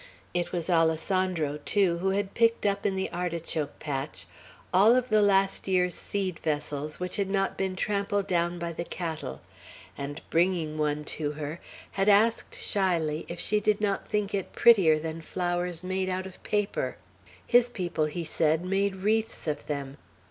It was Alessandro, too, who had picked up in the artichoke patch all of the last year's seed vessels which had not been trampled down by the cattle, and bringing one to her, had asked shyly if she did not think it prettier than flowers made out of paper. His people, he said, made wreaths of them.